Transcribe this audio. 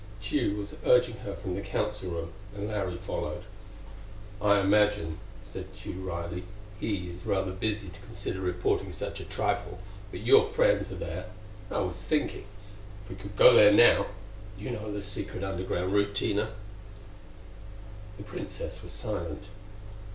Tugh was urging her from the Council Room, and Larry followed. "I imagine," said Tugh wryly, "he is rather busy to consider reporting such a trifle. But your friends are there. I was thinking: if we could go there now You know the secret underground route, Tina." The Princess was silent.